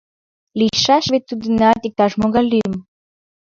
— Лийшаш вет тудынат иктаж-могай лӱм?